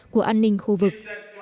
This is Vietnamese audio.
của an ninh khu vực